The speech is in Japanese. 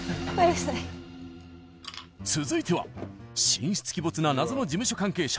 続いては神出鬼没な謎の事務所関係者